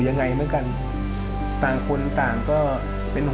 แล้ววันนี้ไม่ได้กลับบ้านมือเปล่าคุณพี่ปู